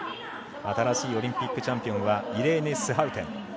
新しいオリンピックチャンピオンはイレーネ・スハウテン。